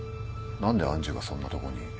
何で愛珠がそんなとこに。